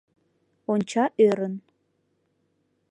Онча ӧрын.